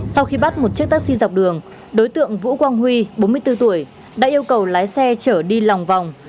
sau khi bắt một chiếc taxi dọc đường đối tượng vũ quang huy bốn mươi bốn tuổi đã yêu cầu lái xe chở đi lòng vòng